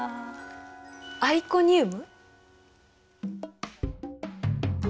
アイコニウム！？